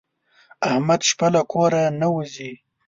احمد شپه له کوره نه وځي.